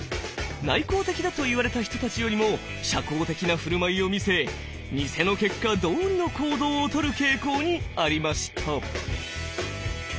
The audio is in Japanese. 内向的だと言われた人たちよりも社交的な振る舞いを見せニセの結果どおりの行動をとる傾向にありました。